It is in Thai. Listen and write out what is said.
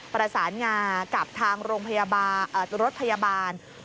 ประสานงากับทางรถพยาบาล